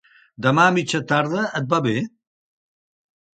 Demà a mitja tarda, et va bé?